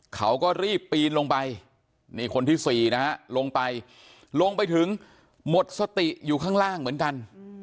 เขาก็รีบปีนลงไปนี่คนที่๔นะฮะลงไปลงไปถึงหมดสติอยู่ข้างล่างเหมือนกัน